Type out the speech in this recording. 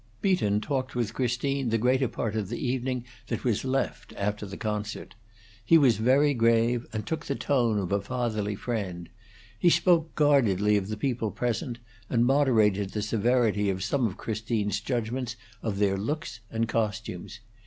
Beaton talked with Christine the greater part of the evening that was left after the concert. He was very grave, and took the tone of a fatherly friend; he spoke guardedly of the people present, and moderated the severity of some of Christine's judgments of their looks and costumes.